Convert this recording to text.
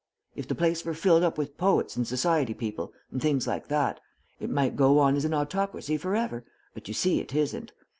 If the place were filled up with poets and society people, and things like that, it might go on as an autocracy forever, but you see it isn't.